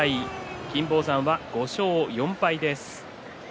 金峰山は５勝４敗です。